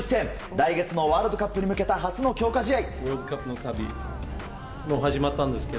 来月のワールドカップに向けた初の強化試合。